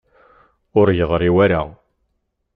Ur yeḍṛi wara.